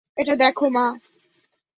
এটা দেখো, মা।